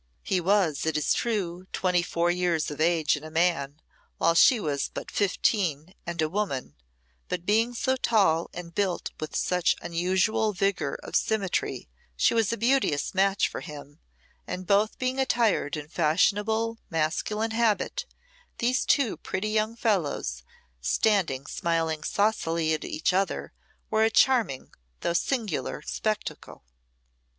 He was, it is true, twenty four years of age and a man, while she was but fifteen and a woman, but being so tall and built with such unusual vigour of symmetry, she was a beauteous match for him, and both being attired in fashionable masculine habit, these two pretty young fellows standing smiling saucily at each other were a charming, though singular, spectacle.